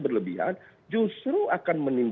berlebihan justru akan